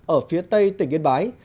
ở phía tây tỉnh yên bái